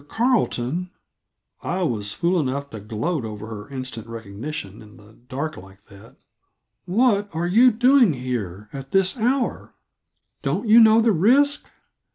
Carleton" I was fool enough to gloat over her instant recognition, in the dark like that "what are you doing here at this hour? Don't you know the risk?